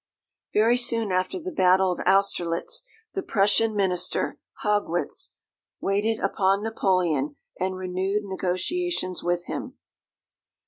Very soon after the battle of Austerlitz the Prussian minister, Haugwitz, waited upon Napoleon and renewed negotiations with him.